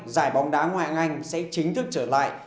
giải bóng đá ngoại anh sẽ chính thức trở lại